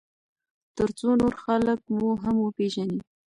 ترڅو نور خلک مو هم وپیژني.